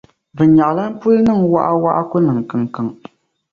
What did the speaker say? Vinyaɣililana puli niŋ wɔɣawɔɣa ku niŋ kiŋkiŋ.